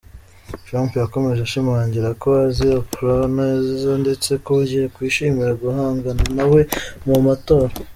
Trump yakomeje ashimangira ko azi Oprah neza ndetse ko yakwishimira guhangana nawe mu matora.